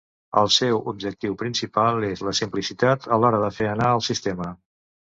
El seu objectiu principal és la simplicitat a l'hora de fer anar el sistema.